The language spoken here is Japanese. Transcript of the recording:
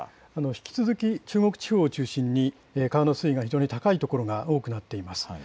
引き続き中国地方を中心に川の水位が非常に高い所が多くなっています。